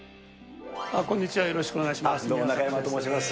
こんにちは、よろしくお願い中山と申します。